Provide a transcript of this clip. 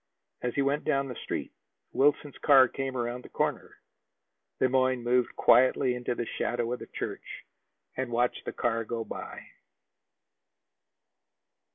As he went down the Street, Wilson's car came around the corner. Le Moyne moved quietly into the shadow of the church and watched the car go by.